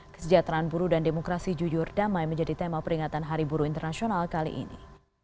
kesejahteraan buruh dan demokrasi jujur damai menjadi tema peringatan hari buruh internasional kali ini